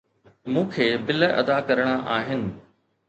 مون کي بل ادا ڪرڻا آهن.